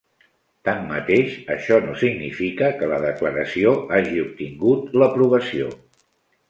Tanmateix, això no significa que la Declaració hagi obtingut l'aprovació.